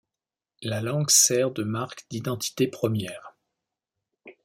La langue sert de marque d'identité première.